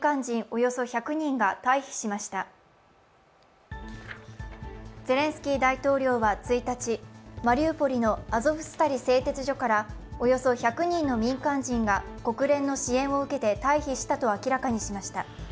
およそ１００人が退避しましたゼレンスキー大統領は１日、マリウポリのアゾフスタリ製鉄所からおよそ１００人の民間人が国連の支援を受けて退避したと明らかにしました。